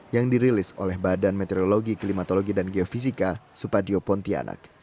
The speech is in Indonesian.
yang dirilis oleh badan meteorologi klimatologi dan geofisika supadio pontianak